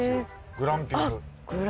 グランピング？